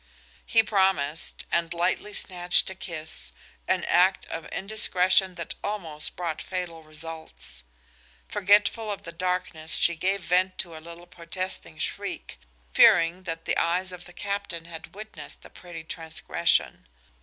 He promised, and lightly snatched a kiss, an act of indiscretion that almost brought fatal results. Forgetful of the darkness, she gave vent to a little protesting shriek, fearing that the eyes of the captain had witnessed the pretty transgression.